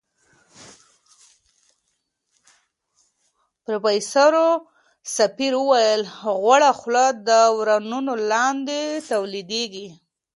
پروفیسوره سپېر وویل غوړه خوله د ورنونو لاندې تولیدېږي.